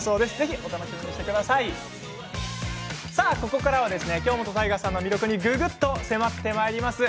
ここからは京本大我さんの魅力にぐぐっと迫ってまいります。